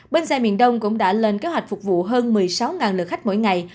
bến xe miền đông cũng đã lên kế hoạch phục vụ hơn một mươi sáu lượt khách mỗi ngày